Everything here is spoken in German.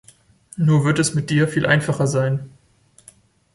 Nur wird es mit dir viel einfacher sein.